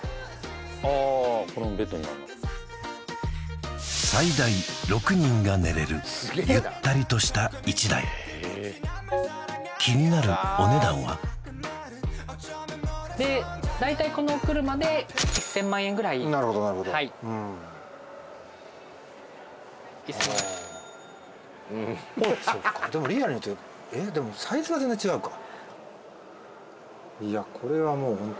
これもベッドになる最大６人が寝れるゆったりとした一台気になるお値段はでだいたいこのお車で１０００万円ぐらいはいなるほどなるほどそっかでもリアルにえっでもサイズが全然違うか